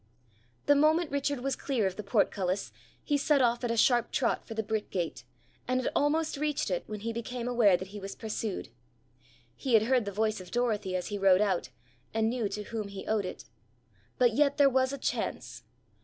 The moment Richard was clear of the portcullis, he set off at a sharp trot for the brick gate, and had almost reached it when he became aware that he was pursued. He had heard the voice of Dorothy as he rode out, and knew to whom he owed it. But yet there was a chance.